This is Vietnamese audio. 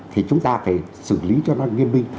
thì chúng ta phải xử lý cho nó nghiêm minh